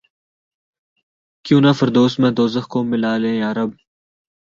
کیوں نہ فردوس میں دوزخ کو ملا لیں یارب!